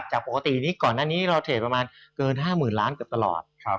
จากปกตินี้ก่อนหน้านี้เราเทรดประมาณเกิน๕๐๐๐ล้านเกือบตลอด